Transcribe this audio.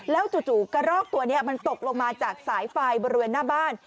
แล้วจู่กระรอกตัวนี้มันตกลงมาจากสายไฟบริเวณหน้าบ้าน